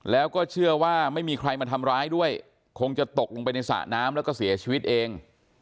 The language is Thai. แล้วก็เชื่อว่าไม่มีใครมาทำร้ายด้วยคงจะตกลงไปในสระน้ำแล้วก็เสียชีวิตเอง